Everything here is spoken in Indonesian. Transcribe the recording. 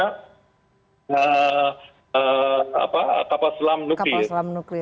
kapal selam nuklir